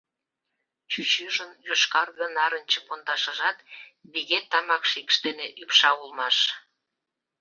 Чӱчӱжын йошкарге-нарынче пондашыжат виге тамак шикш дене ӱпша улмаш.